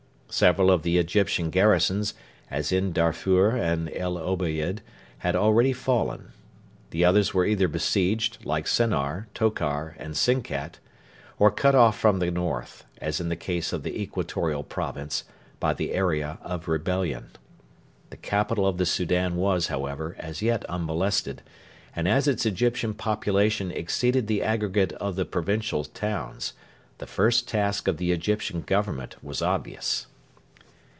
Several of the Egyptian garrisons, as in Darfur and El Obeid, had already fallen. The others were either besieged, like Sennar, Tokar, and Sinkat, or cut off from the north, as in the case of the Equatorial Province, by the area of rebellion. The capital of the Soudan was, however, as yet unmolested; and as its Egyptian population exceeded the aggregate of the provincial towns, the first task of the Egyptian Government was obvious.